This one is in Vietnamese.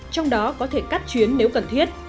trong đó có thể cắt chuyến nếu cần thiết